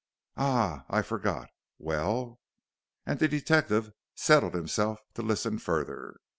"Ah, I forget! Well?" and the detective settled himself to listen further.